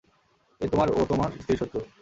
এ তোমার ও তোমার স্ত্রীর শত্রু।